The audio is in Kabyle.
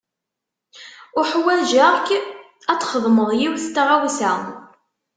Uḥwaǧeɣ-k ad txedmeḍ yiwet n tɣawsa.